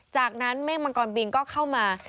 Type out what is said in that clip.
จากนั้นเมฆมังกรบินก็เข้ามา